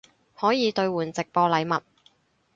可以兑换直播禮物